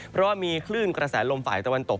เพราะว่ามีคลื่นกระแสลมฝ่ายตะวันตก